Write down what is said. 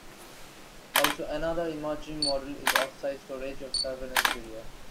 Also another emerging model is off-site storage of surveillance video.